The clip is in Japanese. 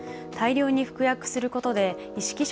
大量に服薬することで意識